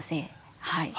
はい。